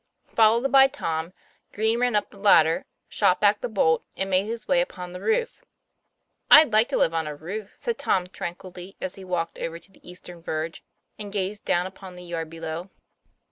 Followed by Tom, Green ran up the ladder, shot back the bolt, and made his way upon the roof. " I'd like to live on a roof," said Tom tranquilly, as he walked over to the eastern verge, and gazed down upon the yard below.